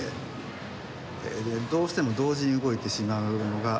どうしても同時に動いてしまうのが。